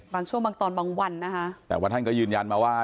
บางช่วงบางตอนบางวันนะคะแต่ว่าท่านก็ยืนยันมาว่า